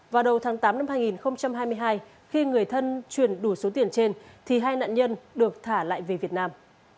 vào đầu tháng tám năm hai nghìn hai mươi hai khi người thân truyền đủ số tiền trên thì hai nạn nhân được thả lại về việt nam